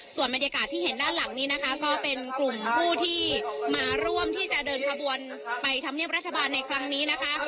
ส่วนบรรยากาศที่เห็นด้านหลังนี้นะคะก็เป็นกลุ่มผู้ที่มาร่วมที่จะเดินขบวนไปทำเนียบรัฐบาลในครั้งนี้นะคะ